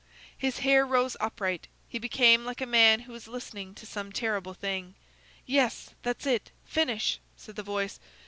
His hair rose upright: he became like a man who is listening to some terrible thing. "Yes, that's it! finish!" said the voice.